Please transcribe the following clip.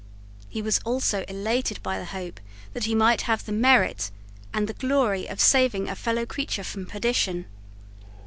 He was also elated by the hope that he might have the merit and the glory of saving a fellow creature from perdition.